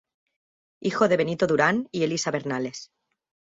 Hijo de Benito Durán y Elisa Bernales.